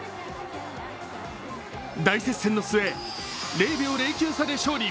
大接戦の末、０．０９差で勝利。